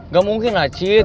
gak mungkin lah cid